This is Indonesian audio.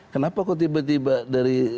kenapa kok tiba tiba dari